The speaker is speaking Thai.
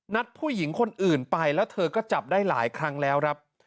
ผู้หญิงคนอื่นไปแล้วเธอก็จับได้หลายครั้งแล้วครับ